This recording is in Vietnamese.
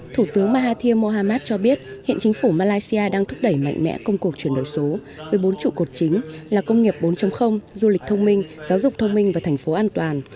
thủ tướng mahathir mohamad cho biết hiện chính phủ malaysia đang thúc đẩy mạnh mẽ công cuộc chuyển đổi số với bốn trụ cột chính là công nghiệp bốn du lịch thông minh giáo dục thông minh và thành phố an toàn